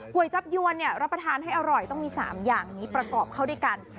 จับยวนรับประทานให้อร่อยต้องมี๓อย่างนี้ประกอบเข้าด้วยกัน